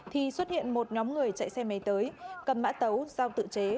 thì xuất hiện một nhóm người chạy xe máy tới cầm mã tấu dao tự chế